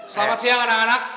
selamat siang anak anak